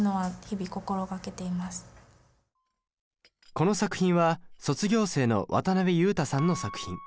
この作品は卒業生の渡辺悠太さんの作品。